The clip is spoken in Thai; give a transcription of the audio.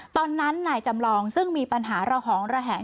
ตอนนั้นนายจำลองซึ่งมีปัญหาระหองระแหง